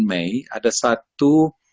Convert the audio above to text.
mei ada satu